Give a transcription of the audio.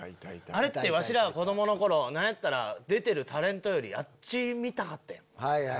あれってワシらが子供の頃何やったら出てるタレントよりあっち見たかったやん。